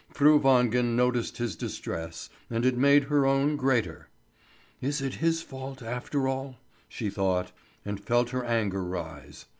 Fru Wangen noticed his distress, and it made her own greater. "Is it his fault after all?" she thought, and felt her anger rise.